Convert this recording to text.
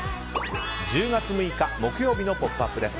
１０月６日木曜日の「ポップＵＰ！」です。